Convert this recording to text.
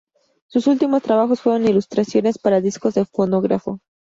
Sus últimos trabajos fueron ilustraciones para discos de fonógrafo